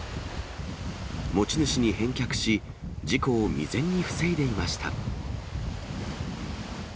持ち主に返却し、事故を未然に防いでいました。